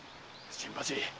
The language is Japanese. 新八！